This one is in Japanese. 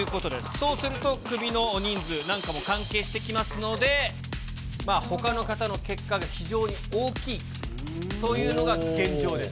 そうすると、クビの人数なんかも関係してきますので、ほかの方の結果が非常に大きいというのが現状です。